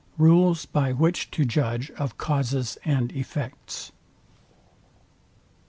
RULES BY WHICH TO JUDGE OF CAUSES AND EFFECTS.